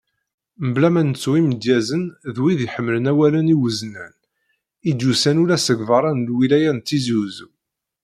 Mebla ma nettu imedyazen d wid iḥemmlen awalen iweznen, i d-yusan ula seg beṛṛa n lwilaya n Tizi Uzzu.